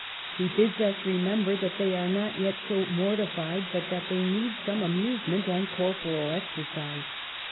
He bids us remember that they are not yet so mor tified but that they need some amusement and corporal exercise.